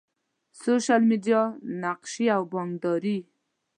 سوشل میډیا، نقشي او بانکداری